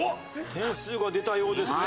点数が出たようですね。